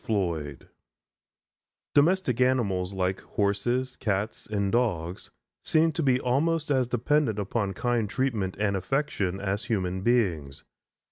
FLOYD Domestic animals like horses, cats and dogs seem to be almost as dependent upon kind treatment and affection as human beings.